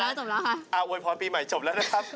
จบแล้วค่ะอ่าโวยพรปีใหม่จบแล้วนะครับ